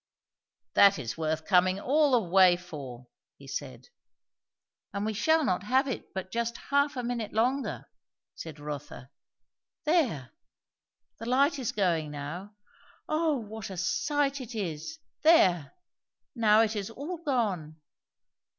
"That is worth coming all the way for!" he said. "And we shall not have it but just half a minute longer," said Rotha. "There the light is going now. O what a sight it is! There! now it is all gone.